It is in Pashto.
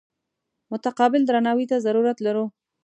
متقابل درناوي ته ضرورت لرو.